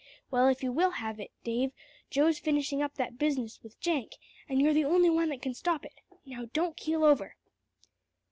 "Well, if you will have it, Dave, Joe's finishing up that business with Jenk, and you're the only one that can stop it. Now don't keel over."